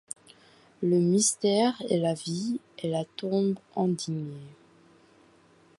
Le mystère, et la vie, et la tombe indignée